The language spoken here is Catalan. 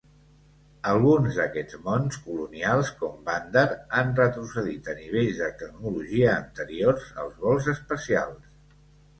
Alguns d'aquests mons colonials, com Vandar, han retrocedit a nivells de tecnologia anteriors als vols espacials.